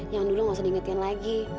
yang dulu nggak usah diingetin lagi